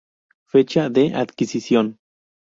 Fecha de adquisición!!